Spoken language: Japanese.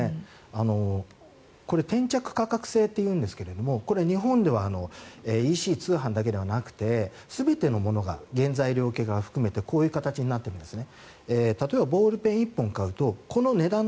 店着価格制というんですがこれは日本ではＥＣ通販だけではなくて全てのものが原材料系も含めてこういう形になってるんですね。